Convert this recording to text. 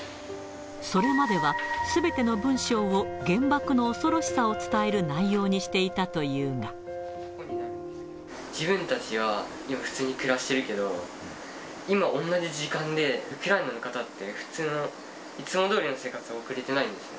それまでは、すべての文章を、原爆の恐ろしさを伝える内容にし自分たちは今、普通に暮らしているけど、今、同じ時間で、ウクライナの方って普通の、いつもどおりの生活を送れてないんです。